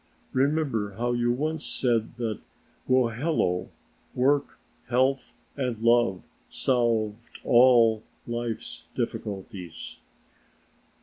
Remember how you once said that Wohelo, Work, Health and Love, solved all life's difficulties.